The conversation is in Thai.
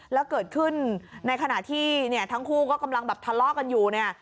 แล้วเกิดขึ้นในขณะที่เนี่ยทั้งคู่ก็กำลังแบบทะเลาะกันอยู่เนี่ย